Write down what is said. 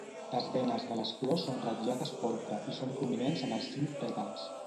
Les venes de les flors són ratllades porpra i són prominents en els cinc pètals.